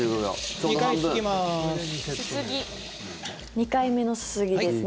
２回目のすすぎですね。